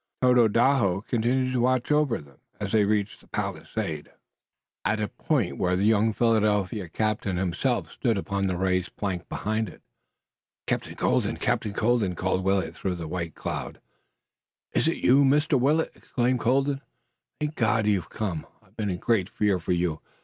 Tododaho continued to watch over, them as they reached the palisade, at the point where the young Philadelphia captain himself stood upon the raised plank behind it. "Captain Colden! Captain Colden!" called Willet through the white cloud. "Is it you, Mr. Willet?" exclaimed Colden. "Thank God you've come. I've been in great fear for you!